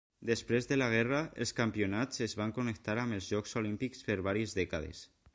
Després de la guerra, els campionats es van connectar amb els Jocs Olímpics per vàries dècades.